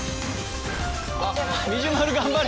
あっミジュマル頑張れ！